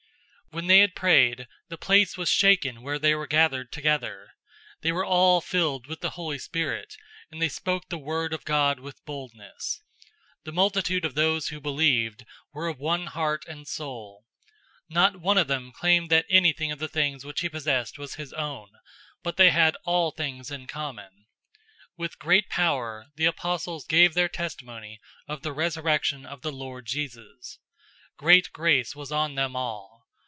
004:031 When they had prayed, the place was shaken where they were gathered together. They were all filled with the Holy Spirit, and they spoke the word of God with boldness. 004:032 The multitude of those who believed were of one heart and soul. Not one of them claimed that anything of the things which he possessed was his own, but they had all things in common. 004:033 With great power, the apostles gave their testimony of the resurrection of the Lord Jesus. Great grace was on them all.